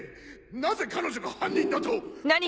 なぜ彼女が犯人だと。